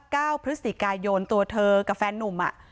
เก้าพฤศจิกายนตัวเธอกับแฟนนุ่มอ่ะ